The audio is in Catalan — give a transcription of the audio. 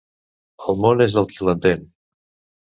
El món és del qui l'entén.